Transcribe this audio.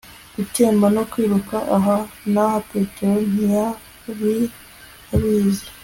gutemba no kwiruka aha n'aha. petero ntiyari abizi